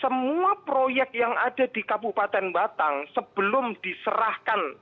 semua proyek yang ada di kabupaten batang sebelum diserahkan